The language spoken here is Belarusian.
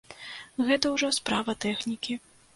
Гэта ўжо справа тэхнікі.